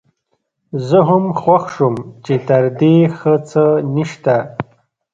زه هم خوښ شوم چې تر دې ښه څه نشته.